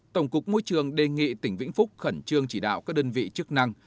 tổng cục môi trường đề nghị tỉnh vĩnh phúc khẩn trương chỉ đạo các đơn vị chức năng